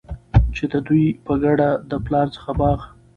چي د دوي په ګډه د پلار څخه باغ